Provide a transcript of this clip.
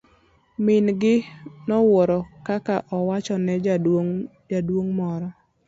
Min gi nowuoro ka owacho ne jaduong' moro.